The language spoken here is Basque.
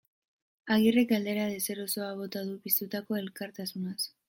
Agirrek galdera deserosoa bota du piztutako elkartasunaz.